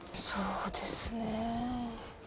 そうですねえ。